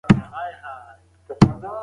کله چې علم عملي شي، ژوند اسانه شي.